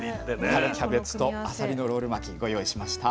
春キャベツとあさりのロール巻きご用意しました。